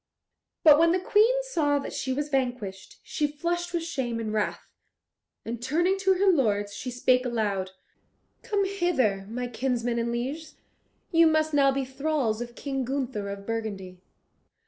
But when the Queen saw that she was vanquished, she flushed with shame and wrath, and turning to her lords, she spake aloud, "Come hither, my kinsmen and lieges. You must now be thralls of King Gunther of Burgundy."